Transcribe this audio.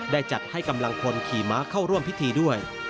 จัดให้กำลังคนขี่ม้าเข้าร่วมพิธีด้วย